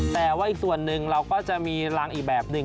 แต่ว่าอีกส่วนหนึ่งเราก็จะมีรังอีกแบบหนึ่ง